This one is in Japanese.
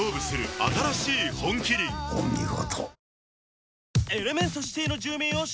お見事。